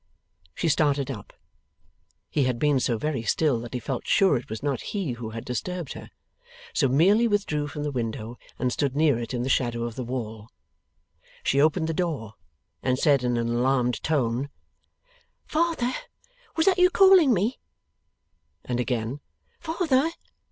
She started up. He had been so very still that he felt sure it was not he who had disturbed her, so merely withdrew from the window and stood near it in the shadow of the wall. She opened the door, and said in an alarmed tone, 'Father, was that you calling me?' And again, 'Father!